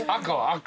赤。